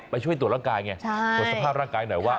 ไปช่วยตรวจร่างกายไงตรวจสภาพร่างกายหน่อยว่า